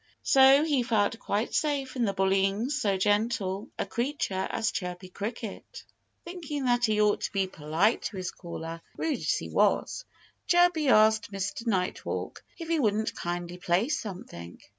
So he felt quite safe in bullying so gentle a creature as Chirpy Cricket. Thinking that he ought to be polite to his caller, rude as he was, Chirpy asked Mr. Nighthawk if he wouldn't kindly play something.